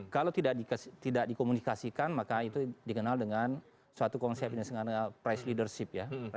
kalau tidak dikomunikasikan maka itu dikenal dengan suatu konsep yang disebut price leadership ya